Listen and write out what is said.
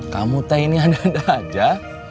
kamu teh ini ada aja